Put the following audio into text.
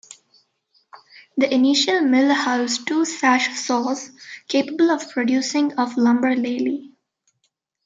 The initial mill housed two sash saws capable of producing of lumber daily.